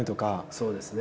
そうですね。